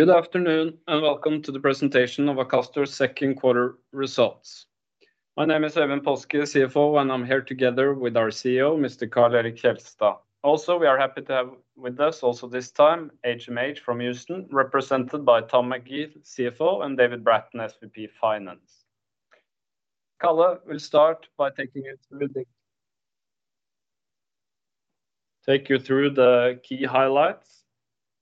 Good afternoon, and welcome to the presentation of Akastor's Q2 results. My name is Øivind Polske, CFO, and I'm here together with our CEO, Karl Erik Kjelstad. We are happy to have with us also this time, HMH from Houston, represented by Tom McGee, CFO, and David Bratton, SVP Finance. Karl will start by taking you through the key highlights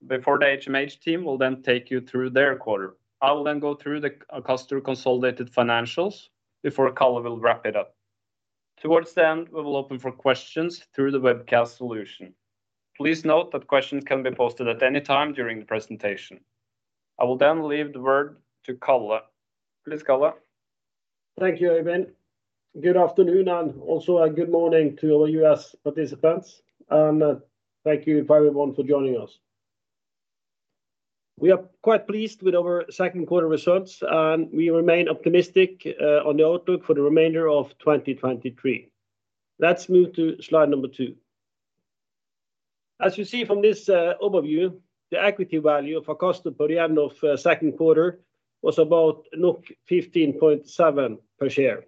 before the HMH team will then take you through their quarter. I will then go through the Akastor consolidated financials before Karl will wrap it up. Towards the end, we will open for questions through the webcast solution. Please note that questions can be posted at any time during the presentation. I will leave the word to Karl. Please, Karl. Thank you, Øivind. Good afternoon, and also a good morning to our US participants, thank you everyone for joining us. We are quite pleased with our Q2 results, we remain optimistic on the outlook for the remainder of 2023. Let's move to slide number 2. As you see from this overview, the equity value of Akastor per the end of Q2 was about 15.7 per share,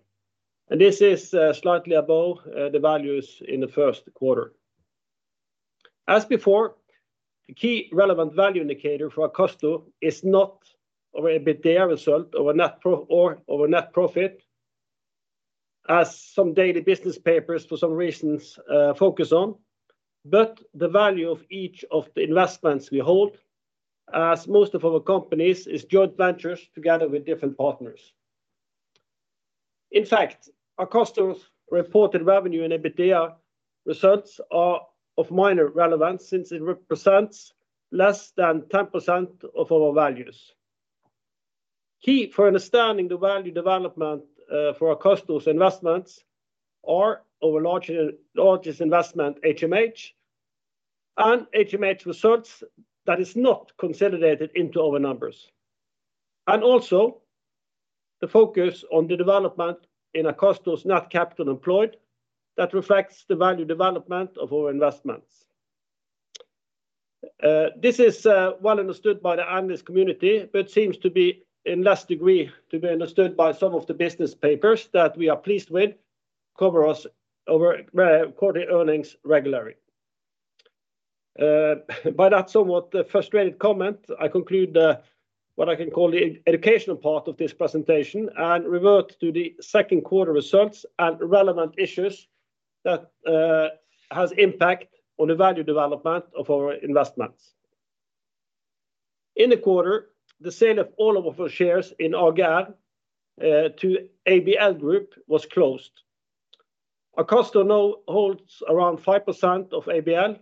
this is slightly above the values in the Q1. As before, the key relevant value indicator for Akastor is not our EBITDA result, our net profit, as some daily business papers, for some reasons, focus on. The value of each of the investments we hold, as most of our companies is joint ventures together with different partners. In fact, Akastor's reported revenue and EBITDA results are of minor relevance since it represents less than 10% of our values. Key for understanding the value development for Akastor's investments are our largest investment, HMH, and HMH results that is not consolidated into our numbers. Also, the focus on the development in Akastor's net capital employed, that reflects the value development of our investments. This is well understood by the analyst community, but seems to be in less degree to be understood by some of the business papers that we are pleased with, cover us over quarterly earnings regularly. By that somewhat frustrated comment, I conclude what I can call the educational part of this presentation and revert to the Q2 results and relevant issues that has impact on the value development of our investments. In the quarter, the sale of all of our shares in AGR to ABL Group was closed. Akastor now holds around 5% of ABL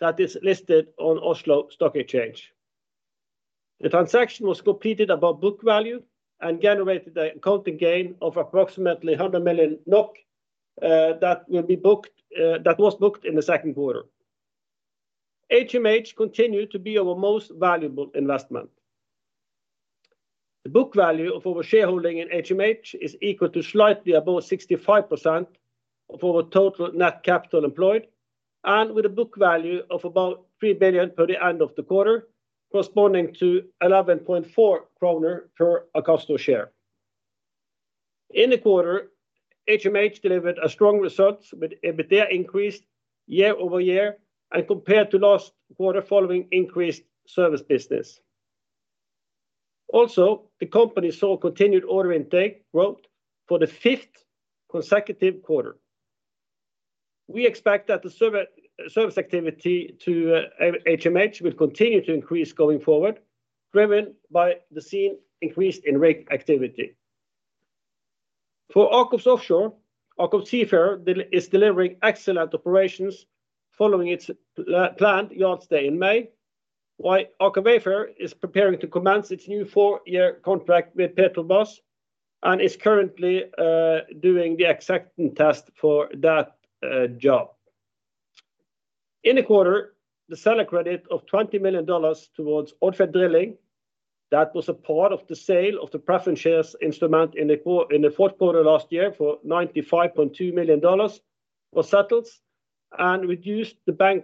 that is listed on Oslo Stock Exchange. The transaction was completed above book value and generated an accounting gain of approximately 100 million NOK that was booked in the Q2. HMH continued to be our most valuable investment. The book value of our shareholding in HMH is equal to slightly above 65% of our total net capital employed, with a book value of about 3 billion per the end of the quarter, corresponding to 11.4 kroner per Akastor share. In the quarter, HMH delivered a strong results, with EBITDA increased year-over-year and compared to last quarter, following increased service business. The company saw continued order intake growth for the fifth consecutive quarter. We expect that the service activity to HMH will continue to increase going forward, driven by the seen increase in rig activity. For AKOFS Offshore, AKOFS Seafarer is delivering excellent operations following its planned yard stay in May, while Aker Wayfarer is preparing to commence its new 4-year contract with Petrobras and is currently doing the acceptance test for that job. In the quarter, the seller credit of $20 million towards Odfjell Drilling, that was a part of the sale of the preference shares instrument in the 4th quarter last year for $95.2 million, was settled and reduced the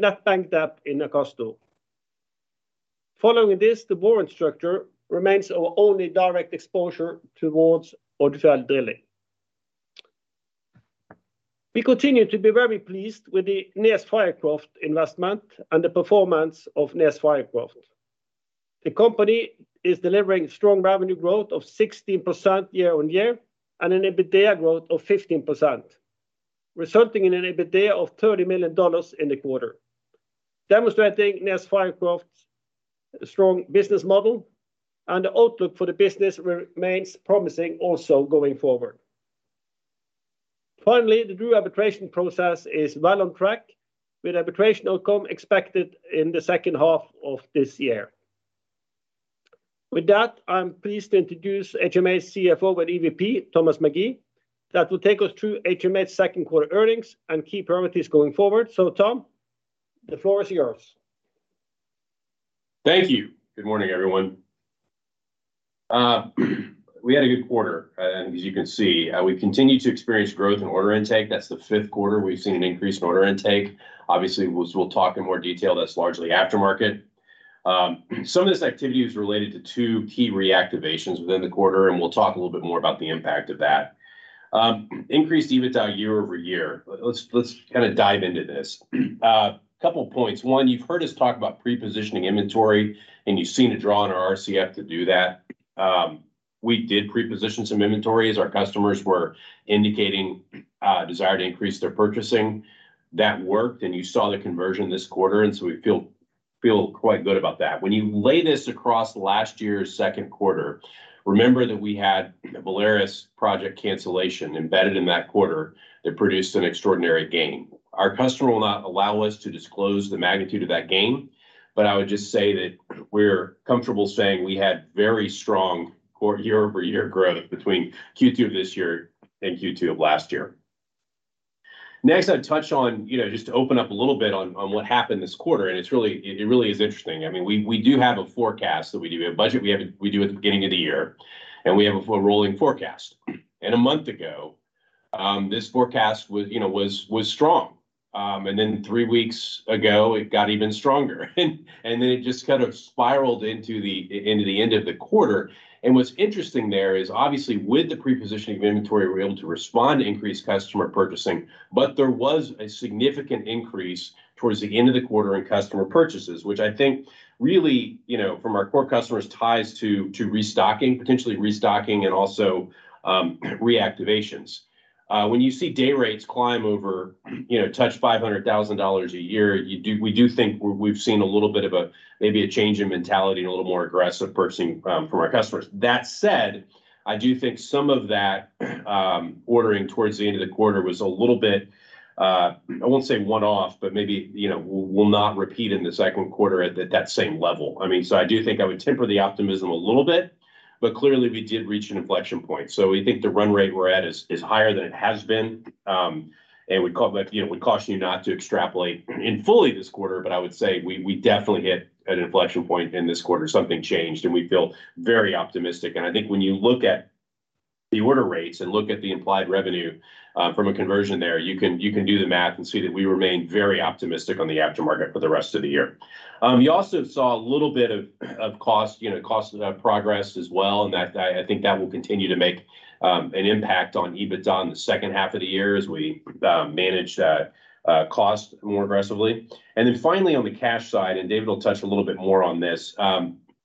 net bank debt in Akastor. Following this, the borrowing structure remains our only direct exposure towards Odfjell Drilling. We continue to be very pleased with the NES Fircroft investment and the performance of NES Fircroft. The company is delivering strong revenue growth of 16% year-on-year and an EBITDA growth of 15%, resulting in an EBITDA of $30 million in the quarter, demonstrating NES Fircroft's strong business model and the outlook for the business remains promising also going forward. The DRU arbitration process is well on track, with arbitration outcome expected in the second half of this year. I'm pleased to introduce HMH CFO with EVP, Thomas McGee, that will take us through HMH's Q2 earnings and key priorities going forward. Tom, the floor is yours. Thank you. Good morning, everyone. We had a good quarter, and as you can see, we've continued to experience growth in order intake. That's the fifth quarter we've seen an increased order intake. Obviously, we'll talk in more detail, that's largely aftermarket. Some of this activity is related to two key reactivations within the quarter, and we'll talk a little bit more about the impact of that. Increased EBITDA year-over-year. Let's dive into this. Couple points: one, you've heard us talk about pre-positioning inventory, and you've seen a draw on our RCF to do that. We did pre-position some inventories. Our customers were indicating, desire to increase their purchasing. That worked, and so we feel quite good about that. When you lay this across last year's Q2, remember that we had the Valaris project cancellation embedded in that quarter that produced an extraordinary gain. Our customer will not allow us to disclose the magnitude of that gain, but I would just say that we're comfortable saying we had very strong year-over-year growth between Q2 of this year and Q2 of last year. I'd touch on just to open up a little bit on what happened this quarter, and it really is interesting. I mean, we do have a forecast that we do. We have a budget, we do at the beginning of the year, and we have a rolling forecast. A month ago, this forecast was strong. Three weeks ago, it got even stronger, and then it just spiraled into the end of the quarter. What's interesting there is, obviously, with the pre-positioning of inventory, we were able to respond to increased customer purchasing. There was a significant increase towards the end of the quarter in customer purchases, which I think really from our core customers, ties to restocking, potentially restocking and also reactivations. When you see day rates climb over touch $500,000 a year, we do think we've seen a little bit of a, maybe a change in mentality and a little more aggressive purchasing from our customers. That said, I do think some of that ordering towards the end of the quarter was a little bit, I won't say one-off, but maybe will not repeat in the Q2 at that same level. I mean, so I do think I would temper the optimism a little bit, but clearly, we did reach an inflection point. We think the run rate we're at is higher than it has been. We call that we caution you not to extrapolate in fully this quarter, but I would say we definitely hit an inflection point in this quarter. Something changed, and we feel very optimistic. I think when you look at the order rates and look at the implied revenue, from a conversion there, you can do the math and see that we remain very optimistic on the aftermarket for the rest of the year. You also saw a little bit of cost cost of that progress as well, and I think that will continue to make an impact on EBITDA in the second half of the year as we manage that cost more aggressively. Finally, on the cash side, and David will touch a little bit more on this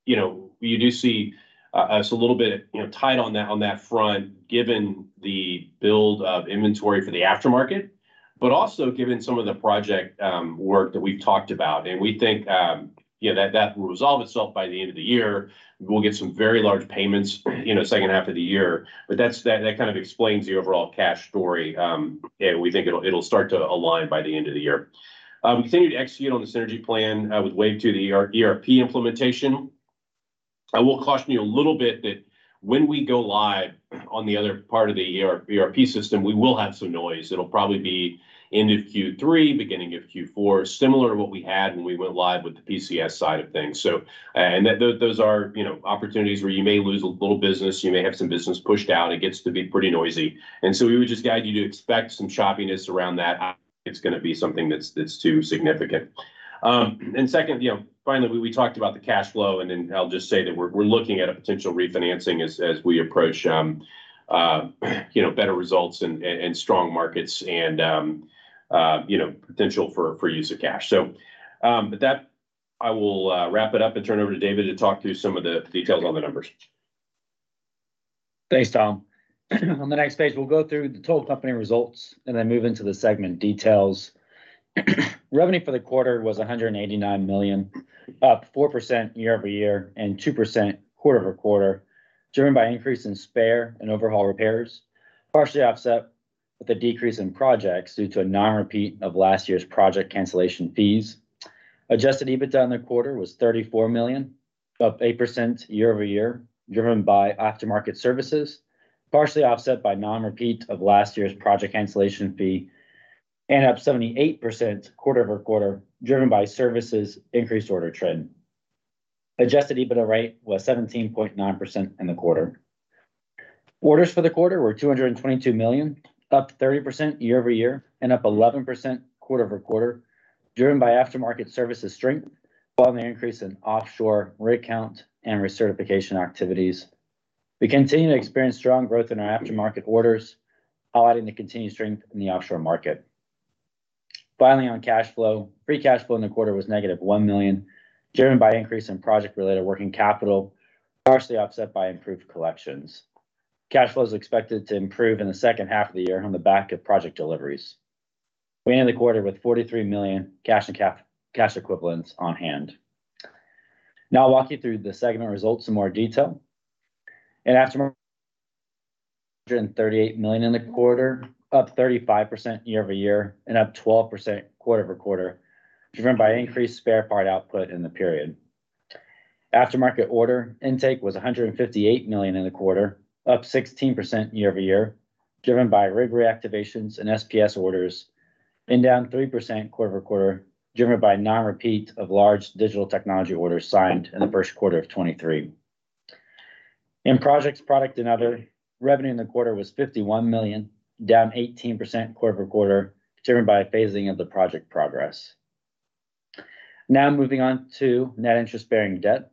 you do see us a little bit tight on that front, given the build of inventory for the aftermarket, but also given some of the project work that we've talked about. We think that will resolve itself by the end of the year. We'll get some very large payments second half of the year. That explains the overall cash story. We think it'll start to align by the end of the year. We continued to execute on the synergy plan with wave two, the ERP implementation. I will caution you a little bit that when we go live on the other part of the ERP system, we will have some noise. It'll probably be end of Q3, beginning of Q4, similar to what we had when we went live with the PCS side of things. Those are opportunities where you may lose a little business, you may have some business pushed out. It gets to be pretty noisy, and so we would just guide you to expect some choppiness around that. I don't think it's going to be something that's too significant. second finally, we talked about the cash flow, and then I'll just say that we're looking at a potential refinancing as we approach better results and strong markets and potential for use of cash. That, I will wrap it up and turn it over to David to talk through some of the details on the numbers. Thanks, Tom McGee. On the next page, we'll go through the total company results and then move into the segment details. Revenue for the quarter was $189 million, up 4% year-over-year and 2% quarter-over-quarter, driven by increase in spare and overhaul repairs, partially offset with a decrease in projects due to a non-repeat of last year's project cancellation fees. Adjusted EBITDA in the quarter was $34 million, up 8% year-over-year, driven by aftermarket services, partially offset by non-repeat of last year's project cancellation fee, and up 78% quarter-over-quarter, driven by services increased order trend. Adjusted EBITDA rate was 17.9% in the quarter. Orders for the quarter were $222 million, up 30% year-over-year and up 11% quarter-over-quarter, driven by aftermarket services strength, following the increase in offshore rig count and recertification activities. We continue to experience strong growth in our aftermarket orders, highlighting the continued strength in the offshore market. On cash flow. Free cash flow in the quarter was negative $1 million, driven by increase in project-related working capital, partially offset by improved collections. Cash flow is expected to improve in the second half of the year on the back of project deliveries. We end the quarter with $43 million cash and cash equivalents on hand. I'll walk you through the segment results in more detail. In aftermarket, $138 million in the quarter, up 35% year-over-year and up 12% quarter-over-quarter, driven by increased spare part output in the period. Aftermarket order intake was $158 million in the quarter, up 16% year-over-year, driven by rig reactivations and SPS orders. Down 3% quarter-over-quarter, driven by non-repeat of large digital technology orders signed in the Q1 of 2023. In projects, product, and other, revenue in the quarter was $51 million, down 18% quarter-over-quarter, driven by a phasing of the project progress. Moving on to net interest-bearing debt.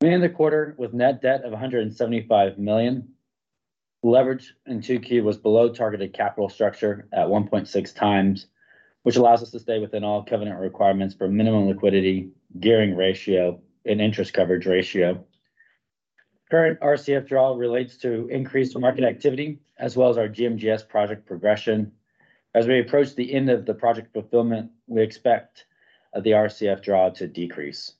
We end the quarter with net debt of $175 million. Leverage in 2Q was below targeted capital structure at 1.6 times, which allows us to stay within all covenant requirements for minimum liquidity, gearing ratio, and interest coverage ratio. Current RCF draw relates to increased market activity, as well as our GMGS project progression. As we approach the end of the project fulfillment, we expect the RCF draw to decrease.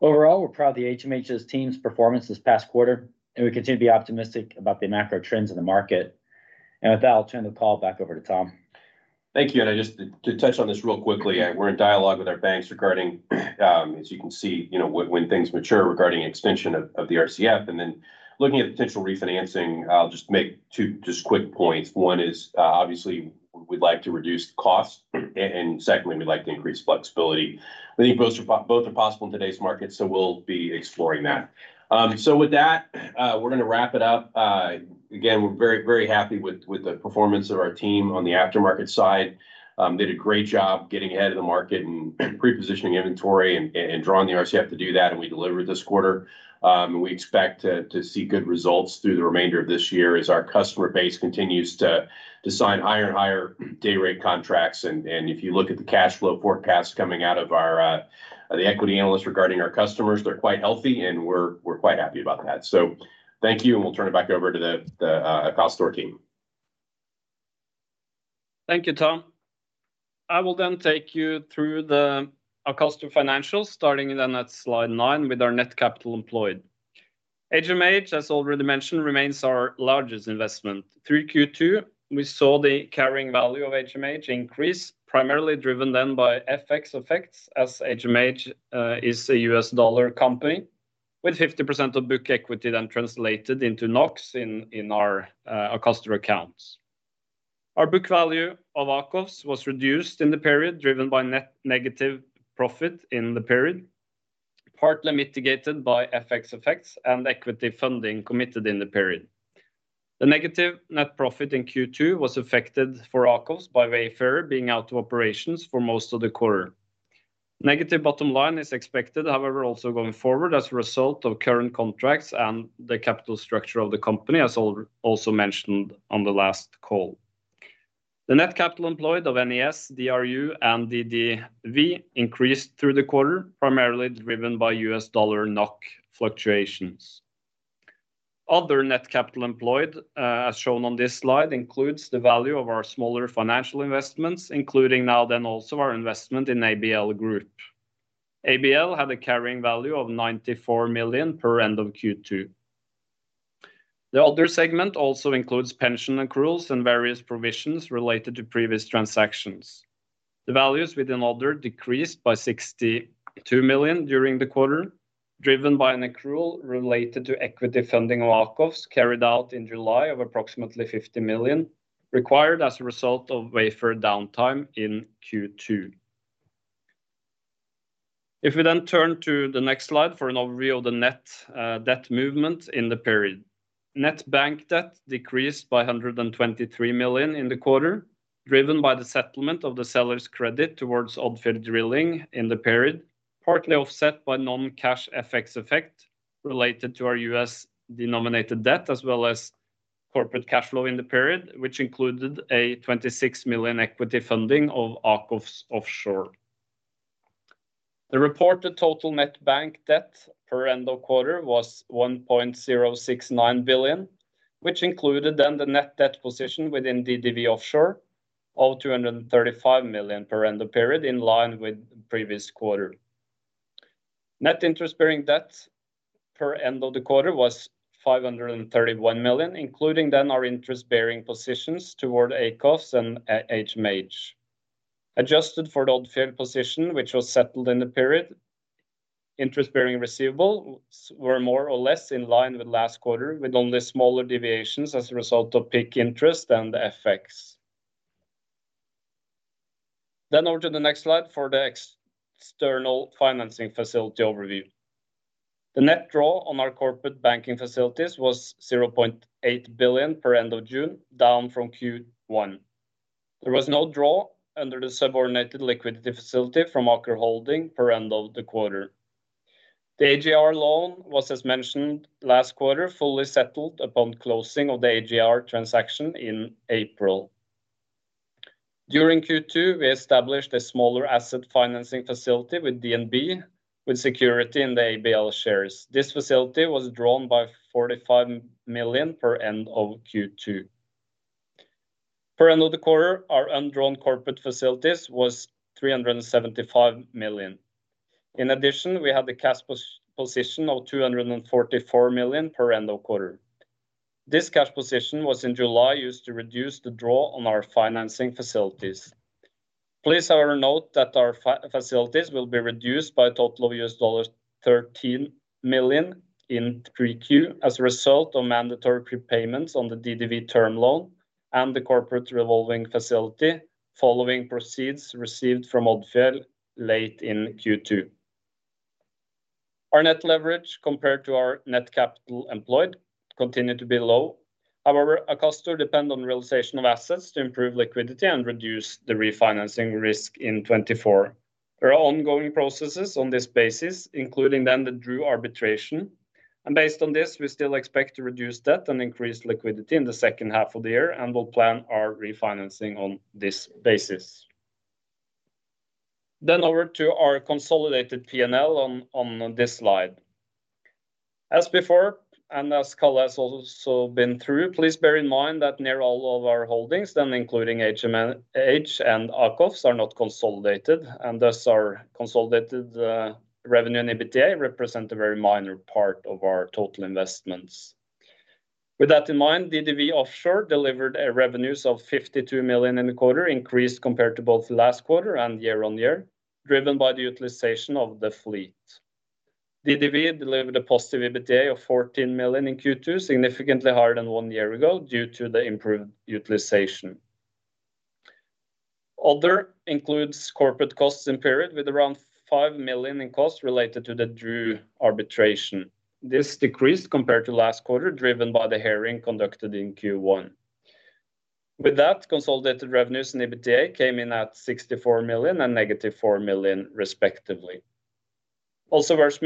Overall, we're proud of the HMH team's performance this past quarter, and we continue to be optimistic about the macro trends in the market. With that, I'll turn the call back over to Tom. Thank you. I just to touch on this real quickly, we're in dialogue with our banks regarding, as you can see when things mature regarding extension of the RCF. Looking at potential refinancing, I'll just make two just quick points. One is, obviously, we'd like to reduce costs, and secondly, we'd like to increase flexibility. I think both are possible in today's market, so we'll be exploring that. With that, we're going to wrap it up. Again, we're very, very happy with the performance of our team on the aftermarket side. Did a great job getting ahead of the market and pre-positioning inventory and drawing the RCF to do that, and we delivered this quarter. We expect to see good results through the remainder of this year as our customer base continues to sign higher and higher day rate contracts. If you look at the cash flow forecast coming out of our the equity analysts regarding our customers, they're quite healthy, and we're quite happy about that. Thank you, and we'll turn it back over to the Akastor team. Thank you, Tom. I will take you through the Akastor financials, starting then at slide 9 with our net capital employed. HMH, as already mentioned, remains our largest investment. Through Q2, we saw the carrying value of HMH increase, primarily driven then by FX effects, as HMH is a US dollar company, with 50% of book equity then translated into NOK in our Akastor accounts. Our book value of AKOFS was reduced in the period, driven by net negative profit in the period, partly mitigated by FX effects and equity funding committed in the period. The negative net profit in Q2 was affected for AKOFS by Wayfarer being out of operations for most of the quarter. Negative bottom line is expected, however, also going forward as a result of current contracts and the capital structure of the company, as also mentioned on the last call. The net capital employed of NES, DRU, and DDW increased through the quarter, primarily driven by US dollar NOK fluctuations. Other net capital employed, as shown on this slide, includes the value of our smaller financial investments, including now then also our investment in ABL Group. ABL had a carrying value of 94 million per end of Q2. The other segment also includes pension accruals and various provisions related to previous transactions. The values within other decreased by 62 million during the quarter, driven by an accrual related to equity funding of AKOFS carried out in July of approximately 50 million, required as a result of Wayfarer downtime in Q2. If we turn to the next slide for an overview of the net debt movement in the period. Net bank debt decreased by 123 million in the quarter, driven by the settlement of the seller's credit towards Odfjell Drilling in the period, partly offset by non-cash FX effect related to our U.S.-denominated debt, as well as corporate cash flow in the period, which included a 26 million equity funding of AKOFS Offshore. The reported total net bank debt per end of quarter was 1.069 billion, which included the net debt position within DDW Offshore of 235 million per end of period, in line with the previous quarter. Net interest bearing debt per end of the quarter was 531 million, including our interest-bearing positions toward AKOFS and HMH. Adjusted for the Odfjell position, which was settled in the period, interest-bearing receivables were more or less in line with last quarter, with only smaller deviations as a result of peak interest and the FX. On to the next slide for the external financing facility overview. The net draw on our corporate banking facilities was 0.8 billion per end of June, down from Q1. There was no draw under the subordinated liquidity facility from Aker Holding per end of the quarter. The AGR loan was, as mentioned last quarter, fully settled upon closing of the AGR transaction in April. During Q2, we established a smaller asset financing facility with DNB, with security in the ABL shares. This facility was drawn by 45 million per end of Q2. Per end of the quarter, our undrawn corporate facilities was 375 million. In addition, we have the cash position of 244 million per end of quarter. This cash position was in July, used to reduce the draw on our financing facilities. Please have a note that our facilities will be reduced by a total of $13 million in 3Q, as a result of mandatory prepayments on the DDW term loan and the corporate revolving facility, following proceeds received from Odfjell late in Q2. Our net leverage, compared to our net capital employed, continued to be low. However, Akastor depend on realization of assets to improve liquidity and reduce the refinancing risk in 2024. There are ongoing processes on this basis, including then the DRU arbitration, and based on this, we still expect to reduce debt and increase liquidity in the second half of the year, and we'll plan our refinancing on this basis. Over to our consolidated P&L on this slide. As before, and as Karl has also been through, please bear in mind that near all of our holdings, including HMH and AKOFS, are not consolidated, and thus our consolidated revenue and EBITDA represent a very minor part of our total investments. With that in mind, DDW Offshore delivered revenues of 52 million in the quarter, increased compared to both last quarter and year-on-year, driven by the utilization of the fleet. DDW delivered a positive EBITDA of 14 million in Q2, significantly higher than 1 year ago, due to the improved utilization. Other includes corporate costs in period, with around 5 million in costs related to the DRU arbitration. This decreased compared to last quarter, driven by the hearing conducted in Q1. With that, consolidated revenues and EBITDA came in at 64 million and negative 4 million respectively. Also worth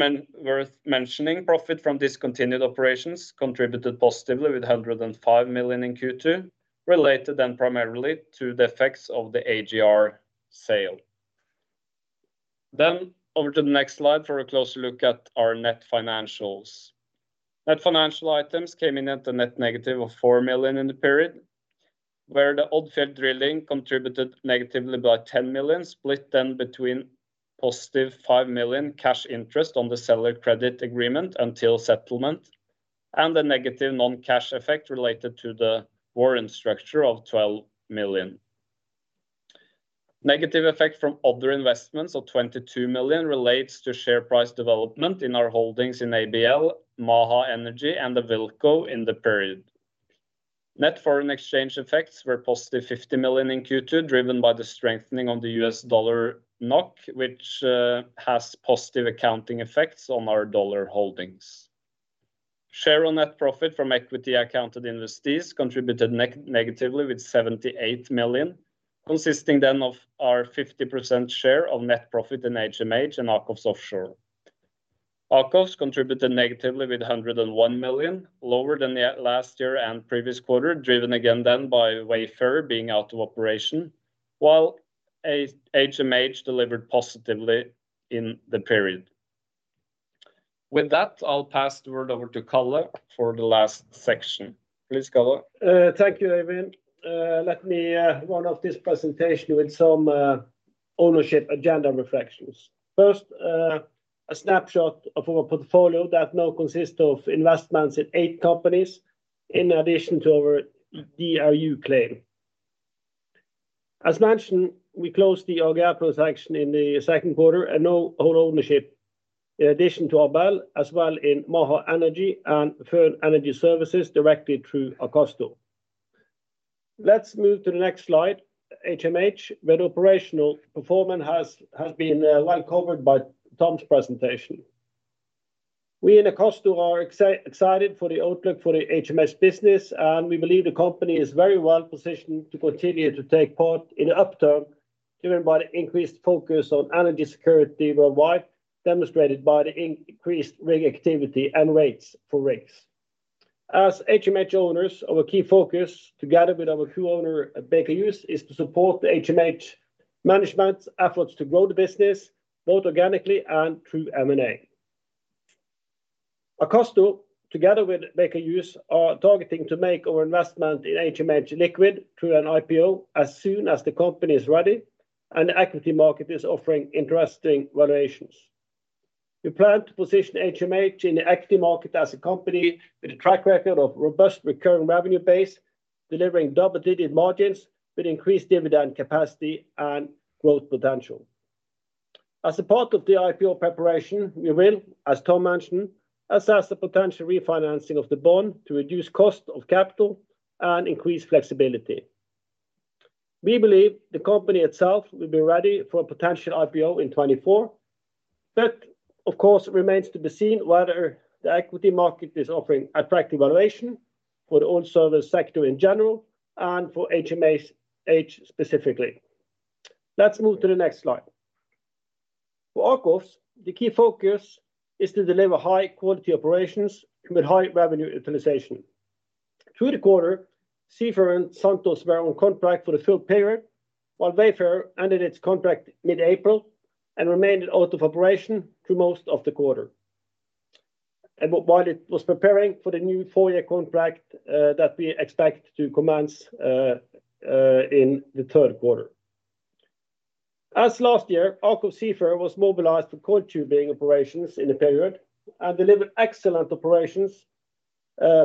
mentioning, profit from discontinued operations contributed positively with 105 million in Q2, related then primarily to the effects of the AGR sale. Over to the next slide for a closer look at our net financials. Net financial items came in at a net negative of 4 million in the period, where the Odfjell Drilling contributed negatively by 10 million, split then between positive 5 million cash interest on the seller credit agreement until settlement, and a negative non-cash effect related to the warrant structure of 12 million. Negative effect from other investments of 22 million relates to share price development in our holdings in ABL, Maha Energy, and Awilco in the period. Net foreign exchange effects were positive 50 million in Q2, driven by the strengthening of the US dollar NOK, which has positive accounting effects on our dollar holdings. Share on net profit from equity accounted industries contributed negatively, with 78 million, consisting then of our 50% share of net profit in HMH and AKOFS Offshore. AKOFS contributed negatively with 101 million, lower than the last year and previous quarter, driven again then by Aker Wayfarer being out of operation, while HMH delivered positively in the period. I'll pass the word over to Karl for the last section. Please, Karl. Thank you, Øyvind. Let me round off this presentation with some ownership agenda reflections. First, a snapshot of our portfolio that now consists of investments in eight companies, in addition to our DRU claim. As mentioned, we closed the AGR transaction in the Q2 and now hold ownership, in addition to ABL, as well in Maha Energy and Føn Energy Services, directly through Akastor. Let's move to the next slide. HMH, where operational performance has been well covered by Tom's presentation. We in Akastor are excited for the outlook for the HMH business. We believe the company is very well positioned to continue to take part in the upturn, driven by the increased focus on energy security worldwide, demonstrated by the increased rig activity and rates for rigs. As HMH owners, our key focus, together with our co-owner, Baker Hughes, is to support the HMH management's efforts to grow the business, both organically and through M&A. Akastor, together with Baker Hughes, are targeting to make our investment in HMH liquid through an IPO as soon as the company is ready and the equity market is offering interesting valuations. We plan to position HMH in the equity market as a company with a track record of robust recurring revenue base, delivering double-digit margins with increased dividend capacity and growth potential. As a part of the IPO preparation, we will, as Tom mentioned, assess the potential refinancing of the bond to reduce cost of capital and increase flexibility. We believe the company itself will be ready for a potential IPO in 2024. That, of course, remains to be seen whether the equity market is offering attractive valuation for the old service sector in general and for HMH specifically. Let's move to the next slide. For AKOFS, the key focus is to deliver high-quality operations with high revenue utilization. Through the quarter, Seafarer and Santos were on contract for the full period, while Wayfarer ended its contract mid-April and remained out of operation through most of the quarter. While it was preparing for the new 4-year contract that we expect to commence in the Q3. As last year, AKOFS Seafarer was mobilized for coiled tubing operations in the period and delivered excellent operations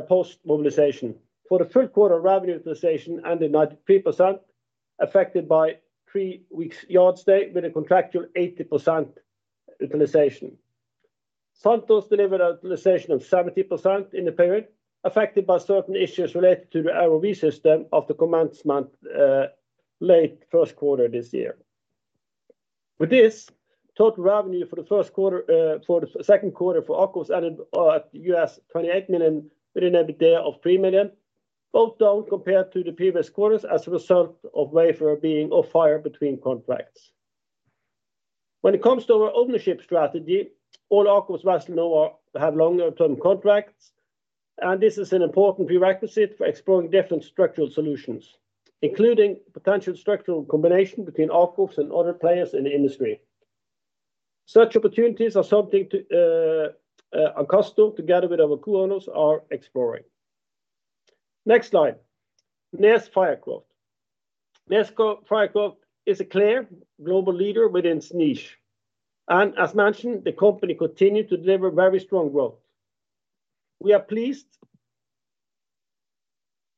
post mobilization. For the Q3, revenue utilization ended 93%, affected by 3 weeks yard stay with a contractual 80% utilization. Santos delivered a utilization of 70% in the period, affected by certain issues related to the ROV system of the commencement late Q1 this year. Total revenue for the Q2 for AKOFS ended at $28 million with an EBITDA of $3 million, both down compared to the previous quarters as a result of Aker Wayfarer being off-hire between contracts. When it comes to our ownership strategy, all AKOFS vessels now have longer-term contracts, this is an important prerequisite for exploring different structural solutions, including potential structural combination between AKOFS and other players in the industry. Such opportunities are something to Akastor together with our co-owners are exploring. Next slide. NES Fircroft. NES Fircroft is a clear global leader within its niche, as mentioned, the company continued to deliver very strong growth.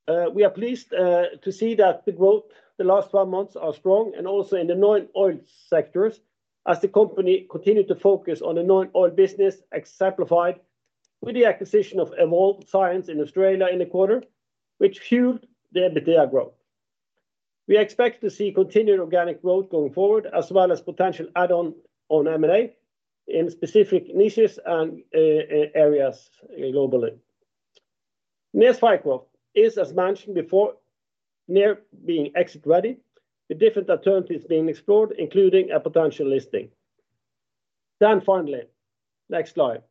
We are pleased to see that the growth the last 5 months are strong and also in the non-oil sectors, as the company continued to focus on the non-oil business, exemplified with the acquisition of Evolved Science in Australia in the quarter, which fueled the EBITDA growth. We expect to see continued organic growth going forward, as well as potential add-on on M&A in specific niches and areas globally. NES Fircroft is, as mentioned before, near being exit-ready, with different alternatives being explored, including a potential listing. Finally, next slide.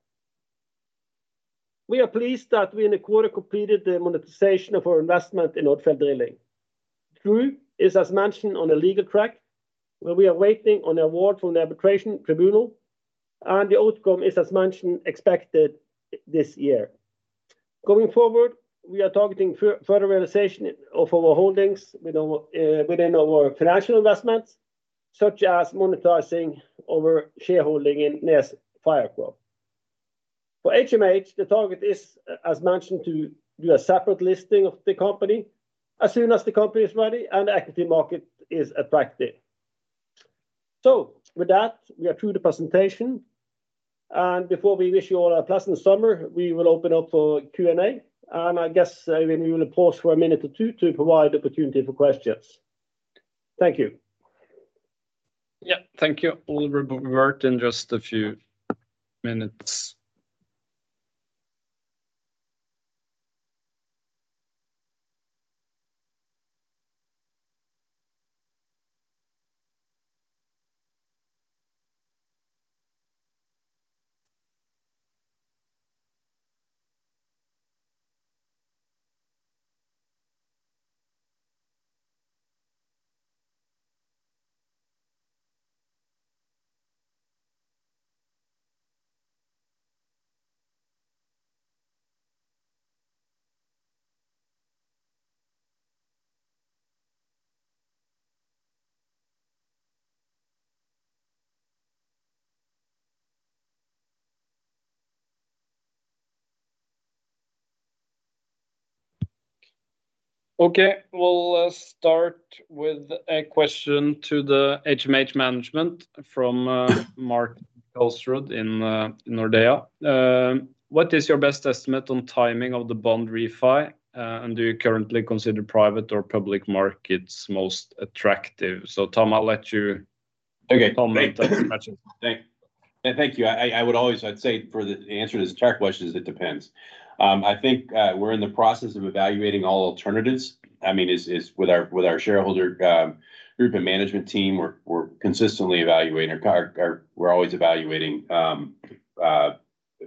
We are pleased that we, in the quarter, completed the monetization of our investment in Odfjell Drilling. DRU is, as mentioned, on a legal track, where we are waiting on the award from the arbitration tribunal, and the outcome is, as mentioned, expected this year. Going forward, we are targeting further realization of our holdings with our within our financial investments, such as monetizing our shareholding in NES Fircroft. For HMH, the target is, as mentioned, to do a separate listing of the company as soon as the company is ready and the equity market is attractive. With that, we are through the presentation, and before we wish you all a pleasant summer, we will open up for Q&A. I guess, we will pause for a minute or two to provide the opportunity for questions. Thank you. Yeah. Thank you. We'll be back in just a few minutes. We'll start with a question to the HMH management from Mark Elsrud in Nordea. What is your best estimate on timing of the bond refi, and do you currently consider private or public markets most attractive? Tom, I'll let you- Okay. Comment on. Thank you. I would always, I'd say, for the answer to this type of question is it depends. I think we're in the process of evaluating all alternatives. I mean, with our shareholder group and management team, we're consistently evaluating. We're always evaluating a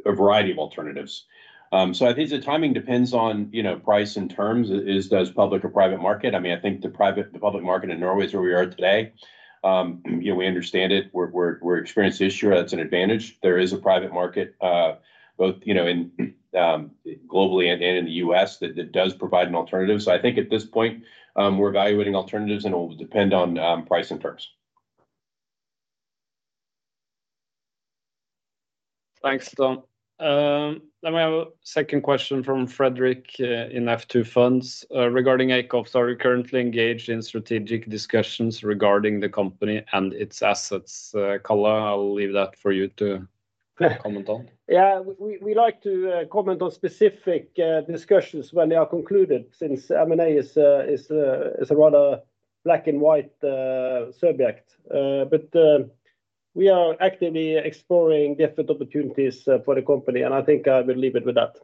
variety of alternatives. I think the timing depends on price and terms. Is, does public or private market? I mean, I think the public market in Norway is where we are today. You know, we understand it. We're experienced this year. That's an advantage. There is a private market, both in globally and in the U.S. that does provide an alternative. I think at this point, we're evaluating alternatives, and it will depend on price and terms. Thanks, Tom. We have a second question from Frederick, in F2 Funds. "Regarding Akastor, are you currently engaged in strategic discussions regarding the company and its assets?" Karl, I'll leave that for you to comment on. We like to comment on specific discussions when they are concluded, since M&A is a rather black-and-white subject. We are actively exploring different opportunities for the company, and I think I will leave it with that.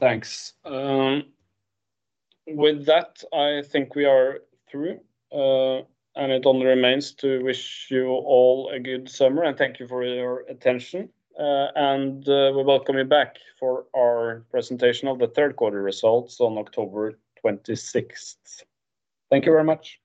Thanks. With that, I think we are through, and it only remains to wish you all a good summer, and thank you for your attention. We welcome you back for our presentation of the Q3 results on October 26th. Thank you very much.